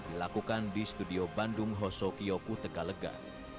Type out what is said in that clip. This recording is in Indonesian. dilakukan di studio bandung hosokioku tegalega